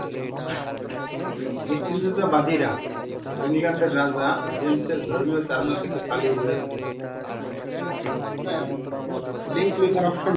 বিচ্ছিন্নতাবাদীরা ইংল্যান্ডের রাজা জেমসের ধর্মীয় তাড়না থেকে পালিয়ে বেড়াচ্ছিল।